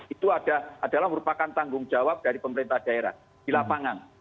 itu adalah merupakan tanggung jawab dari pemerintah daerah di lapangan